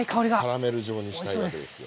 キャラメル状にしたいわけですよ。